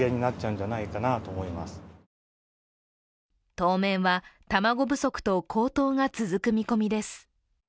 当面は卵不足と高騰が続く見込みです。